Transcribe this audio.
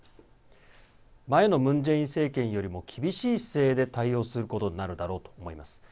前のムン・ジェイン政権よりも厳しい姿勢で対応することになるだろうと思います。